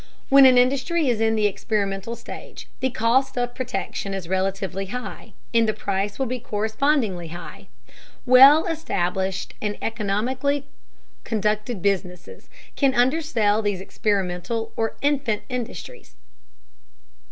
When an industry is in the experimental stage the cost of production is relatively high, and the price will be correspondingly high. Well established and economically conducted businesses can undersell these experimental or "infant" industries.